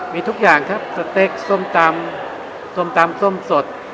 มีทุกอย่างครับสเต็กส้มตำส้มตำส้มสด